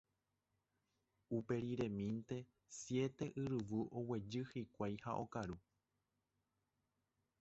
Uperiremínte siete yryvu oguejy hikuái ha okaru.